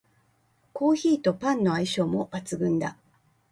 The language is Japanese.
コーヒーとパンの相性も抜群だ